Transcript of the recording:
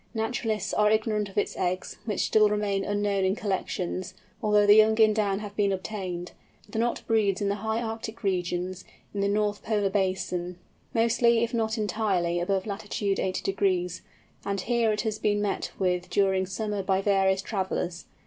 Naturalists are ignorant of its eggs, which still remain unknown in collections, although the young in down have been obtained. The Knot breeds in the high Arctic regions, in the North Polar Basin, mostly, if not entirely above lat. 80°; and here it has been met with during summer by various travellers.